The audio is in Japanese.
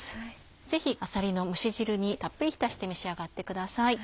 ぜひあさりの蒸し汁にたっぷり浸して召し上がってください。